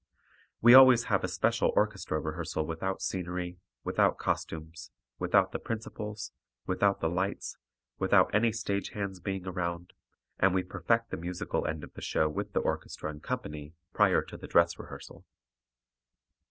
We always have a special orchestra rehearsal without scenery, without costumes, without the principals, without the lights, without any stage hands being around, and we perfect the musical end of the show with the orchestra and company prior to the dress rehearsal.